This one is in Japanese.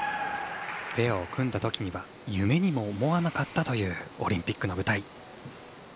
ペアを組んだときには夢にも思わなかったというオリンピックの舞台。